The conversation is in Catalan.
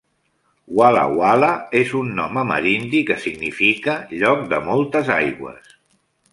Walla Walla és un nom amerindi que significa "Lloc de moltes aigües".